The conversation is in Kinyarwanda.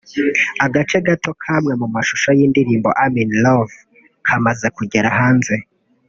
agace gato k’amwe mu mashusho y’indirimbo I am in love kamaze kugera hanze